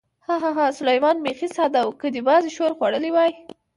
ها، ها، ها، سلمان بېخي ساده و، که دې محض ښور خوړلی وای.